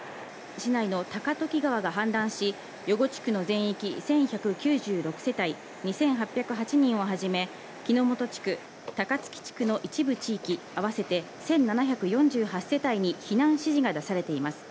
市内の高時川が氾濫し、余呉地区の全域１１９６世帯、２８０８人をはじめ、木ノ本地区・高月地区の一部地域、合わせて１７４８世帯に避難指示が出されています。